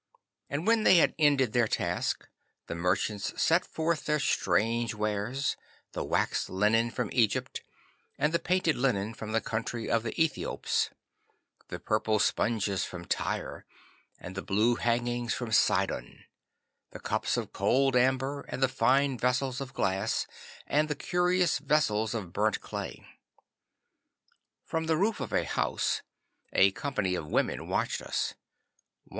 And when they had ended their task, the merchants set forth their strange wares, the waxed linen from Egypt and the painted linen from the country of the Ethiops, the purple sponges from Tyre and the blue hangings from Sidon, the cups of cold amber and the fine vessels of glass and the curious vessels of burnt clay. From the roof of a house a company of women watched us.